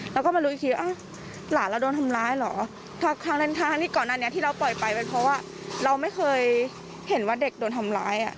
แล้วก็มารู้อีกทีหลานเราโดนทำร้ายเหรอครั้งนั้นทั้งที่ก่อนหน้านี้ที่เราปล่อยไปเป็นเพราะว่าเราไม่เคยเห็นว่าเด็กโดนทำร้ายอ่ะ